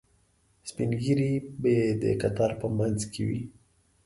سپینږیري به د کتار په منځ کې وو.